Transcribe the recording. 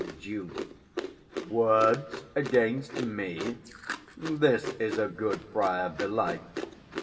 130 Duke. Words against me! this's a good friar, belike!